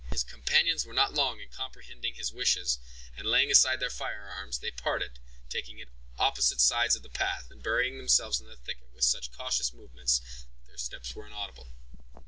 His companions were not long in comprehending his wishes, and laying aside their firearms, they parted, taking opposite sides of the path, and burying themselves in the thicket, with such cautious movements, that their steps were inaudible.